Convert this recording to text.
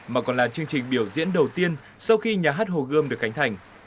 mà còn là chương trình biểu diễn đầu tiên sau khi nhà hát hồ gươm được cánh thành